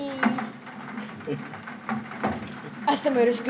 明日もよろしく。